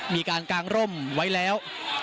มีการกางร่มไว้แล้ว